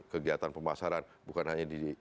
kegiatan pemasaran bukan hanya di